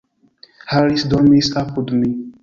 Harris dormis apud mi.